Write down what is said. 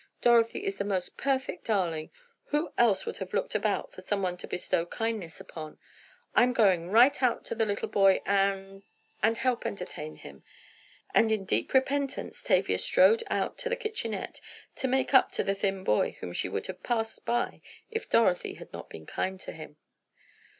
"Dorothy is the most perfect darling! Who else would have looked about for someone to bestow kindnesses upon? I'm going right out to the little boy and—and help entertain him." And in deep repentance Tavia strode out to the kitchenette, to make up to the thin boy whom she would have passed by if Dorothy had not been kind to him.